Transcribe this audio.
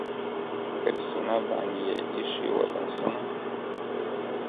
پر سينه باندي يې ايښي وه لاسونه٫